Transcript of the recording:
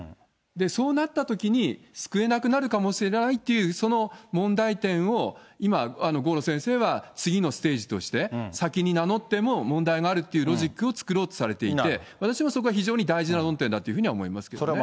そうなったときに、救えなくなるかもしれないという、その問題点を今、郷路先生は次のステージとして、先に名乗っても問題があるっていうロジックを作ろうとされていて、私もそこは非常に大事な論点だというふうに思いますけどね。